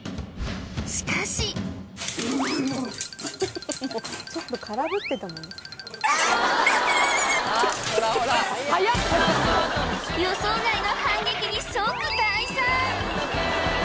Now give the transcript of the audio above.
しかし予想外の反撃に即退散！